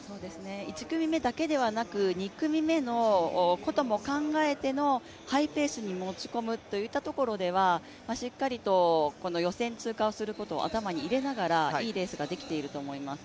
１組目だけでなく２組目のことも考えてのハイペースに持ち込むといったところでは、しっかりと予選通過することを頭に入れながらいいレースができていると思います。